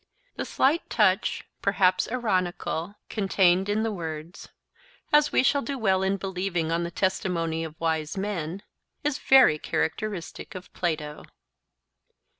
The slight touch, perhaps ironical, contained in the words, 'as we shall do well in believing on the testimony of wise men,' is very characteristic of Plato.